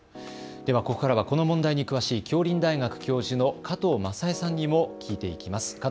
ではここからはこの問題に詳しい杏林大学教授の加藤雅江さんにも聞いていきます。